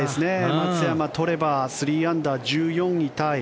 松山、取れば３アンダー、１４位タイ。